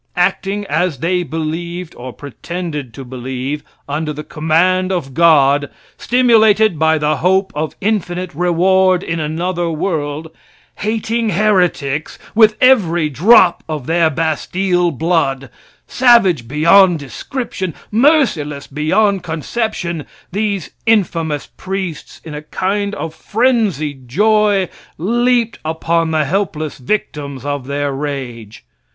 Acting as they believed, or pretended to believe under the command of God, stimulated by the hope of infinite reward in another world hating heretics with every drop of their bastille blood savage beyond description merciless beyond conception these infamous priests in a kind of frenzied joy, leaped upon the helpless victims of their rage.